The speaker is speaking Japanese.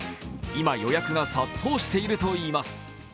今、予約が殺到しているといいます